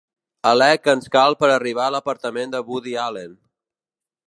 Alè que ens cal per arribar a l'apartament de Woody Allen.